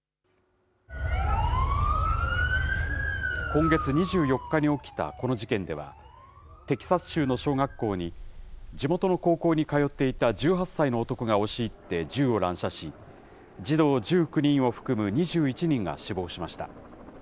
今月２４日に起きたこの事件では、テキサス州の小学校に、地元の高校に通っていた１８歳の男が押し入って銃を乱射し、児童１９人を含む２１人が死亡しました。